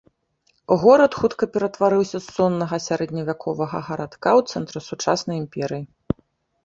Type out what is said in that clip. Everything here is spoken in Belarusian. Горад хутка ператварыўся з соннага сярэдневяковага гарадка ў цэнтр сучаснай імперыі.